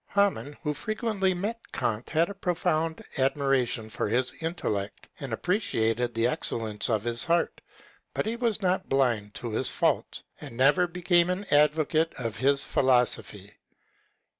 Hamann, who frequently met Eant, had a profound admiration for his intellect, and appreciated the excel lence of his heart ; but he was not blind to his faults, and never became an advocate of his philosophy.